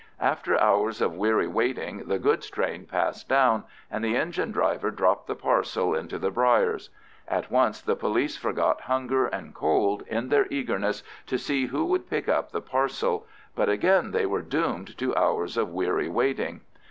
After hours of weary waiting the goods train passed down, and the engine driver dropped the parcel into the briers. At once the police forgot hunger and cold in their eagerness to see who would pick up the parcel, but again they were doomed to hours of weary waiting.